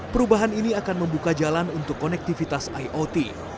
perubahan ini akan membuka jalan untuk konektivitas iot